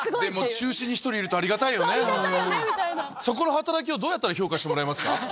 そこの働きをどうやったら評価してもらえますか？